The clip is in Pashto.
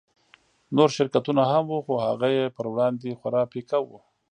نور شرکتونه هم وو خو هغه يې پر وړاندې خورا پيکه وو.